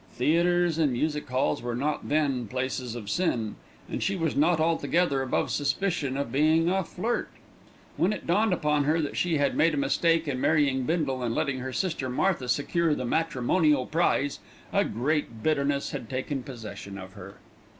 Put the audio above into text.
Theatres and music halls were not then "places of sin"; and she was not altogether above suspicion of being a flirt. When it dawned upon her that she had made a mistake in marrying Bindle and letting her sister Martha secure the matrimonial prize, a great bitterness had taken possession of her.